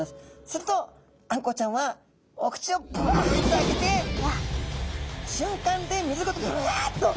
するとあんこうちゃんはお口をブワッと開けてしゅんかんで水ごとブワッと。